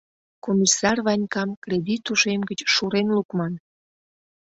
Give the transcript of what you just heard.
— Комиссар Ванькам кредит ушем гыч шурен лукман!